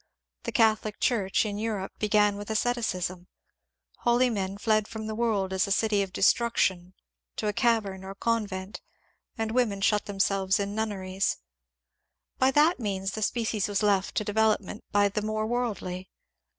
The Catholic Church in Eu rope began with asceticism ; holy men fled from the world as a city of destruction to cavern or convent, and women shut themselves in nunneries. By that means the species was left to development by the more worldly.